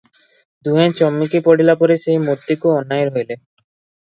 ଦୁହେଁ ଚମକି ପଡିଲାପରି ସେହି ମୂର୍ତ୍ତିକୁ ଅନାଇ ରହିଲେ ।